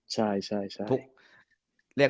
ใช่ใช่